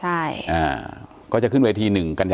หนึ่งกัญญายนคุณจินตราและลุงพลจะร้องเพลงด้วยกันนะคะ